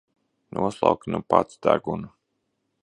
Noslauki nu pats degunu!